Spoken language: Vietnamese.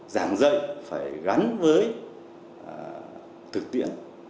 giảng dạy phải gắn với thực tiễn